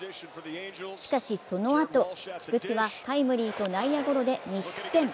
しかしそのあと、菊池はタイムリーと内野ゴロで２失点。